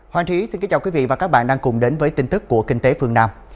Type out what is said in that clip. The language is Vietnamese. hoàng trí xin kính chào quý vị và các bạn đang cùng đến với tin tức của kinh tế phương nam